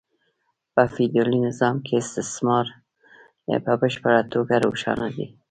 په فیوډالي نظام کې استثمار په بشپړه توګه روښانه دی